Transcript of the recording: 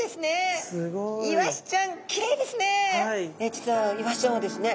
実はイワシちゃんはですね